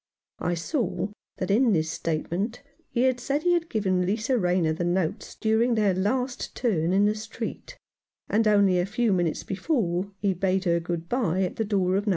I saw that in this statement he said he had given Lisa Rayner the notes during their last turn in the street, and only a few minutes before he bade her good bye at the door of No.